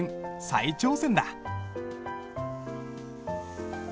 再挑戦だ。